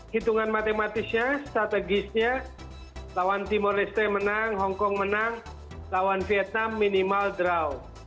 hitungan matematisnya strategisnya lawan timur leste menang hongkong menang lawan vietnam minimal draw